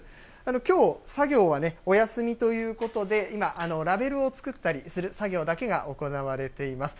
きょう、作業はね、お休みということで、今、ラベルを作ったりする作業だけが行われています。